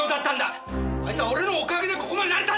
あいつは俺のおかげでここまでなれたんだ！